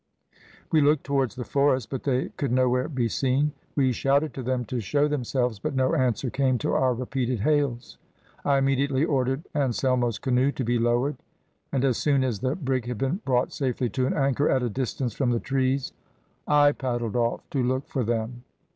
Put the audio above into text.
We looked towards the forest, but they could nowhere be seen. We shouted to them to show themselves, but no answer came to our repeated hails. I immediately ordered Anselmo's canoe to be lowered, and as soon as the brig had been brought safely to an anchor at a distance from the trees, I paddled off to look for them.